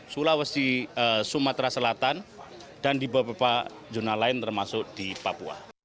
sulawesi sumatera selatan dan di beberapa jurnal lain termasuk di papua